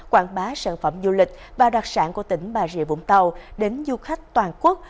quảng bá sản phẩm du lịch và đặc sản của tỉnh bà rịa vũng tàu đến du khách toàn quốc